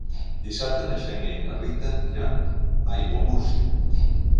Dissabte na Xènia i na Rita iran a Aiguamúrcia.